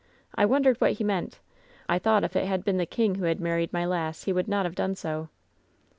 I wondered what he meant. I thought if it had been the king who had married my lass he would not have done so.